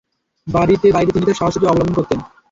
বাড়িতে বাইরে তিনি তার সাহচর্য অবলম্বন করতেন।